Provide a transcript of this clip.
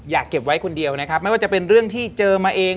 อย่าเก็บไว้คนเดียวไม่ว่าจะเป็นเรื่องที่เจอมาเอง